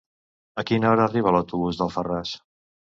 A quina hora arriba l'autobús d'Alfarràs?